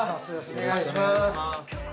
お願いします。